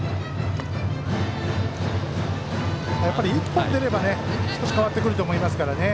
１本出れば少し変わってくると思いますからね。